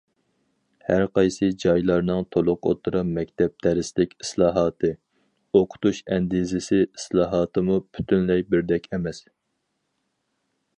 ھەر قايسى جايلارنىڭ تولۇق ئوتتۇرا مەكتەپ دەرسلىك ئىسلاھاتى، ئوقۇتۇش ئەندىزىسى ئىسلاھاتىمۇ پۈتۈنلەي بىردەك ئەمەس.